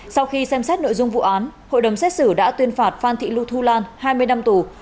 sau khi xem xét nội dung vụ án hội đồng xét xử đã tuyên phạt phan thị lu thu lan hai mươi năm tù